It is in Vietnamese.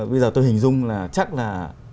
bây giờ tôi hình dung là chắc là